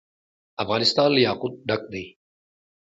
افغانستان له یاقوت ډک دی.